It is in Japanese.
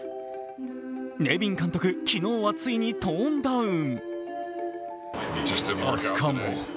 ネビン監督、昨日はついにトーンダウン。